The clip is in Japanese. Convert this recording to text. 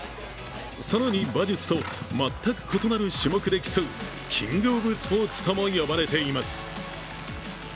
更に馬術と、全く異なる種目で競うキング・オブ・スポーツとも呼ばれています。